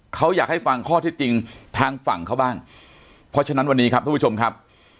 เขาอยากให้ฟังข้อที่จริงทางฝั่งเขาบ้างเพราะฉะนั้นวันนี้ครับทุกผู้ชมครับ